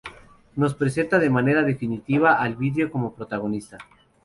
Nos presenta de manera definitiva al vidrio como protagonista.